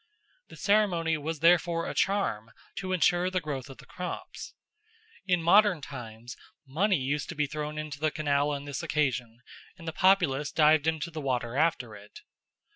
The ceremony was therefore a charm to ensure the growth of the crops. In modern times money used to be thrown into the canal on this occasion, and the populace dived into the water after it.